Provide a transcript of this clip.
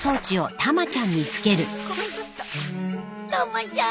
たまちゃん